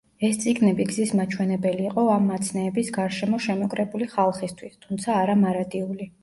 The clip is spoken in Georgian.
ეს წიგნები გზის მაჩვენებელი იყო ამ მაცნეების გარშემო შემოკრებილი ხალხისთვის, თუმცა არა მარადიული.